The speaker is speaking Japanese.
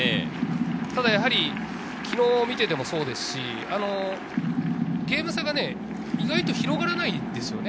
ただやはり昨日見ていてもそうですし、ゲーム差が意外と広がらないんですよ。